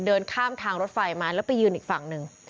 เดินข้ามทางรถไฟมาแล้วไปยืนอีกฝั่งหนึ่ง